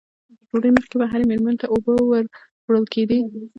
تر ډوډۍ مخکې به هرې مېرمنې ته اوبه ور وړل کېدې.